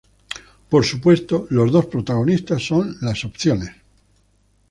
Por supuesto, los dos protagonistas son las opciones.